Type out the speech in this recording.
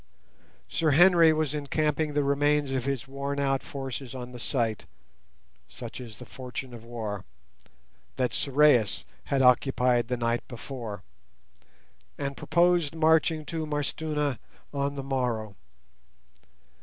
Sir Henry was encamping the remains of his worn out forces on the site (such is the fortune of war) that Sorais had occupied the night before, and proposed marching to M'Arstuna on the morrow.